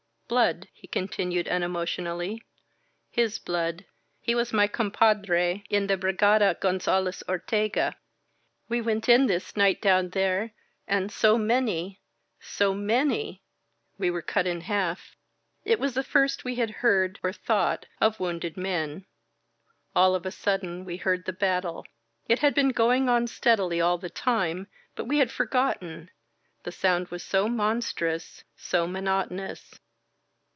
"Blood," he continued unemotionally. His blood. He was my compadre in the Brigada Gonzales Ortega. We went in this night down there and so many, so many We were cut in half." It was the first we had heard, or thought, of wounded men. All of a sudden we heard the battle. It had been going on steadily all the time, but we had for gotten — the sound was so monstrous, so monotonous.